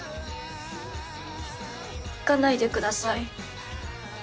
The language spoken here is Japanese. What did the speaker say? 行かないでください。